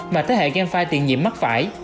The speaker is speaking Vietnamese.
mà thế hệ gamefi tiện nhiệm mắc phải